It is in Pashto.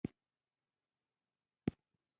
نجونې به تر هغه وخته پورې په پوهنتونونو کې څیړنې کوي.